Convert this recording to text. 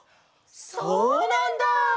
そうなんだ！